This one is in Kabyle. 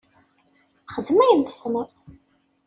Xdem ayen i tessneḍ.